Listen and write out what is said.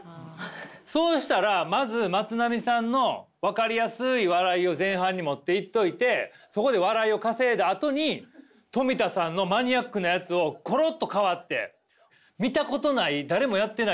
そうしたらまずまつなみさんの分かりやすい笑いを前半に持っていっといてそこで笑いを稼いだあとにトミタさんのマニアックなやつをコロッと変わって。